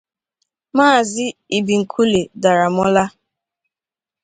Maazị Ibikunle Daramola